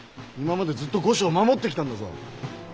今までずっと御所を守ってきたんだぞ！